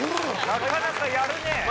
なかなかやるねぇ。